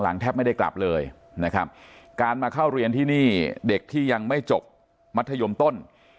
แทบไม่ได้กลับเลยนะครับการมาเข้าเรียนที่นี่เด็กที่ยังไม่จบมัธยมต้น